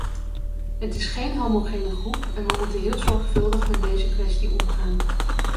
Het is geen homogene groep en we moeten heel zorgvuldig met deze kwestie omgaan.